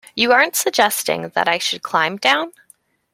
You aren't suggesting that I should climb down?